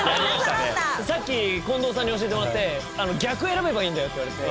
さっき近藤さんに教えてもらって逆選べばいいんだよって言われて。